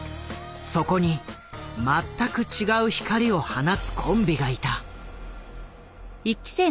そこに全く違う光を放つコンビがいた。